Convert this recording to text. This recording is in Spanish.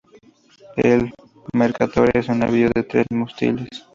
El Mercator es un navío de tres mástiles.